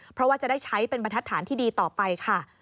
เพราะว่าจะได้ใช้เป็นบรรทัศน์ที่ดีต่อไปค่ะ